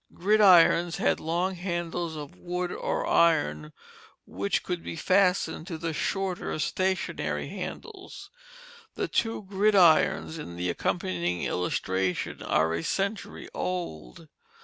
Gridirons had long handles of wood or iron, which could be fastened to the shorter stationary handles. The two gridirons in the accompanying illustration are a century old.